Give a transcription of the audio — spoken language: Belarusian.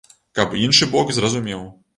Каб іншы бок зразумеў.